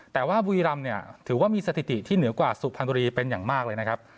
แต่ว่าบุรีรำเนี่ยถือว่ามีสถิติที่เหนือกว่าสุพรรณบุรีเป็นอย่างมากเลยนะครับ